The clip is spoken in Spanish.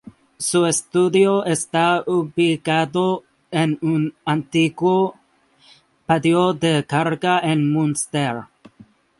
Su estudio está ubicado en un antiguo patio de carga en Münster.